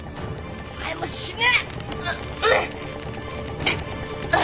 お前も死ね！